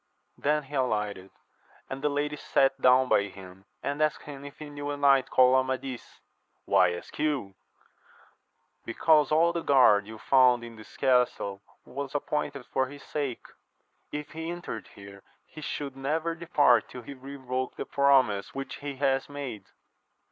Then he alighted, and the lady sate down by him, and asked bim i£ T;!^ \ai«^ ^\axv^\» ^^^^^ kssjaSs^a: 'AMADIS OF GAUL. 157 Why ask you ?— ^Because all the guard you found in this castle was appointed for his sake ; if he entered here, he should never depart till he revoked a promise which he has made.